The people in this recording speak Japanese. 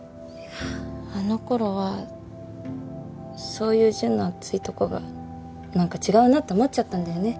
あのころはそういうジュンの熱いとこが何か違うなって思っちゃったんだよね。